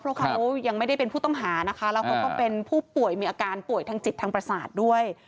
เพราะเขายังไม่ได้เป็นผู้ต้องหานะคะแล้วเขาก็เป็นผู้ป่วยมีอาการป่วยทางจิตทางประสาทด้วย